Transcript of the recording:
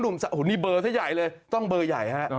นี่เบอร์ซะใหญ่เลยต้องเบอร์ใหญ่ฮะ